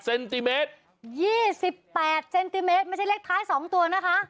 ๒๘เซนติเมตรไม่ใช่เล็กท้ายสองตัวนะคะ